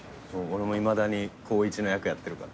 俺もいまだに高１の役やってるから。